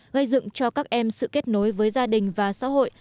gây dựng cho các em sự kết nối với gia đình và xã hội